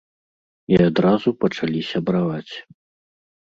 І адразу пачалі сябраваць.